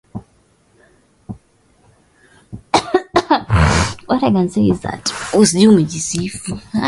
huyu ni waziri wa fedha wa gereza councellor george osborn